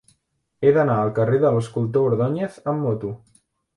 He d'anar al carrer de l'Escultor Ordóñez amb moto.